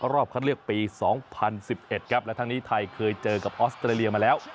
รอบคัดเลือกปี๒๐๑๑ครับและทั้งนี้ไทยเคยเจอกับออสเตรเลียมาแล้ว